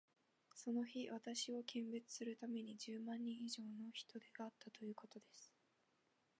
その日、私を見物するために、十万人以上の人出があったということです。